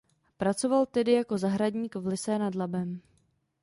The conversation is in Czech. Pracoval tedy jako zahradník v Lysé nad Labem.